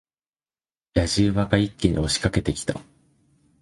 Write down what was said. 野次馬が一気に押し掛けてきた。